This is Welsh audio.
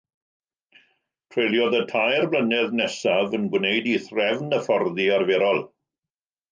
Treuliodd y tair blynedd nesaf yn gwneud ei threfn hyfforddi arferol.